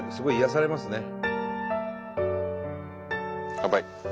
乾杯。